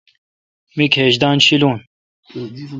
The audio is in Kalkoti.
می کھیج دن شیلون۔